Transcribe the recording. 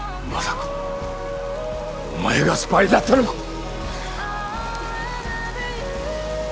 まさかお前がスパイだったのか